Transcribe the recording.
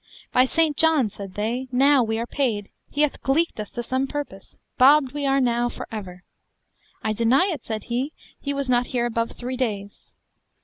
By St. John, said they, now we are paid, he hath gleeked us to some purpose, bobbed we are now for ever. I deny it, said he, he was not here above three days.